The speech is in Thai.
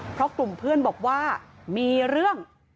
เพราะกลุ่มเพื่อนบอกว่ามีเรื่อง